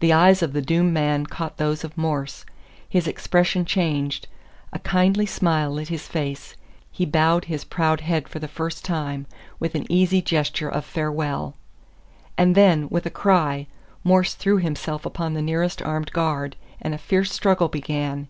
The eyes of the doomed man caught those of Morse his expression changed a kindly smile lit his face he bowed his proud head for the first time, with an easy gesture of farewell. And then, with a cry, Morse threw himself upon the nearest armed guard, and a fierce struggle began.